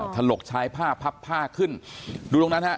ถลกชายผ้าพับผ้าขึ้นดูตรงนั้นฮะ